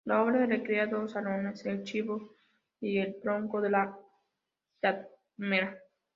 La obra recrea dos salones: el chivo, y el tronco y de la palmera.